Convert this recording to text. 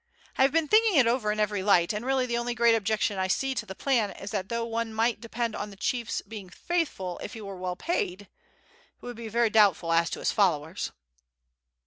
I have been thinking it over in every light, and really the only great objection I see to the plan is that though one might depend upon the chief's being faithful if he were well paid, it would be very doubtful as to his followers."